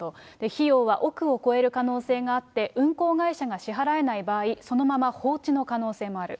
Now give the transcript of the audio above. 費用は億を超える可能性があって、運航会社が支払えない場合、そのまま放置の可能性もある。